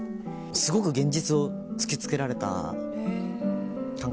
すごく現実を突き付けられた感覚が。